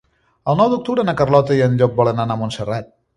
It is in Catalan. El nou d'octubre na Carlota i en Llop volen anar a Montserrat.